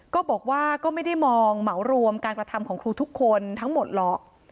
ก็บอกว่าก็ไม่ได้มองเหมารวมการกระทำของครูทุกคนทั้งหมดหรอก